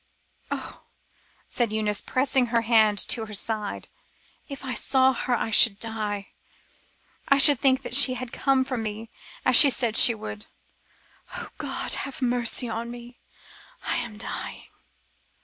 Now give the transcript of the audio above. "Oh!" said Eunice, pressing her hand to her side, "if I saw her I should die. I should think that she had come for me as she said she would. O God! have mercy on me, I am dying."